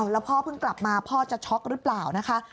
แล้วพ่อเพิ่งกลับมาพ่อจะช็อกหรือเปล่านะคะ